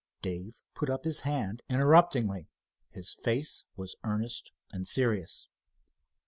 Dave put up his hand interruptingly. His face was earnest and serious.